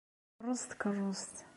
Terreẓ tkerrust.